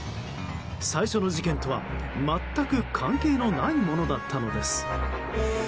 最初の事件とは全く関係のないものだったのです。